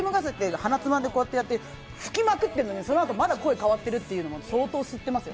鼻つまんでこうやって吹きまくってるのに、そのあと、まだ声変わってるって相当、吸ってます。